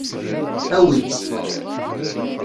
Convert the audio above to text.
Awi-tt.